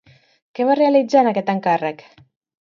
Què va realitzar en aquest càrrec?